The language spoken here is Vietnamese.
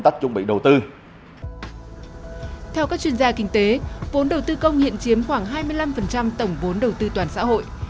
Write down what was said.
theo các chuyên gia kinh tế vốn đầu tư công hiện chiếm khoảng hai mươi năm tổng vốn đầu tư toàn xã hội